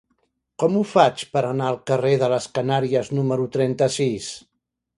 Com ho faig per anar al carrer de les Canàries número trenta-sis?